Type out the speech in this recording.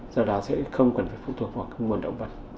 do đó sẽ không cần phải phụ thuộc vào nguồn động vật